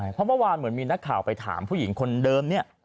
เพราะเมื่อวานเหมือนมีนักข่าวไปถามผู้หญิงคนเดิมเนี่ย